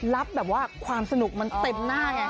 รับแบบว่าความสนุกมันเต็มหน้าไง